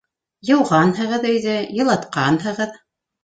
- Йыуғанһығыҙ өйҙө, йылытҡанһығыҙ...